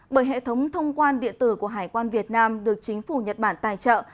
bởi hệ thống thông quan địa tử của hải quan việt nam được chính phủ nhật bản tài trợ